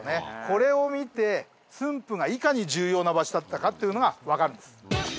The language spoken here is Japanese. これを見て駿府がいかに重要な場所だったかっていうのがわかるんです。